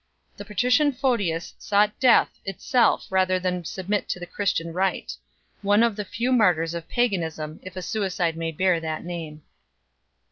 The patrician Photius sought death itself rather than submit to the Christian rite 3 one of the few martyrs of paganism, if a suicide may bear that name.